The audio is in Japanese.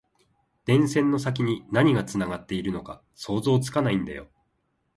電線の先に何がつながっているのか想像つかないんだよ